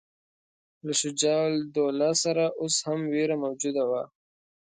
له شجاع الدوله سره اوس هم وېره موجوده وه.